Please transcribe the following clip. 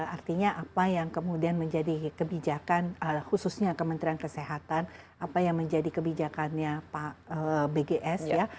artinya apa yang kemudian menjadi kebijakan khususnya kementerian kesehatan apa yang menjadi kebijakannya pak bgs ya